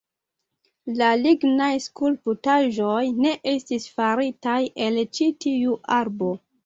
La lignaj skulptaĵoj ne estis faritaj el ĉi tiu arbo.